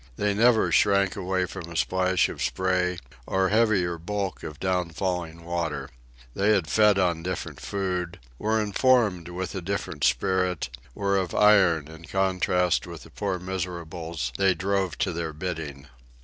They never shrank away from a splash of spray or heavier bulk of down falling water. They had fed on different food, were informed with a different spirit, were of iron in contrast with the poor miserables they drove to their bidding.